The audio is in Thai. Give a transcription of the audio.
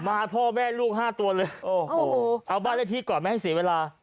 พ่อแม่ลูกห้าตัวเลยโอ้โหเอาบ้านเลขที่ก่อนไม่ให้เสียเวลา